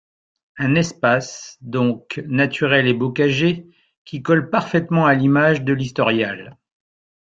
Un espace, donc, naturel et bocager qui colle parfaitement à l'image de l'Historial.